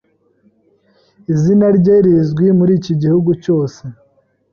Izina rye rizwi muri iki gihugu cyose.